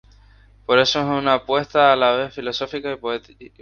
Por eso es una apuesta a la vez filosófica y política"".